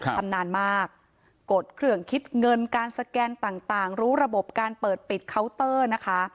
ชำนาญมากกดเครื่องคิดเงินการสแกนต่างรู้ระบบการเปิดปิดเคาน์เตอร์นะคะ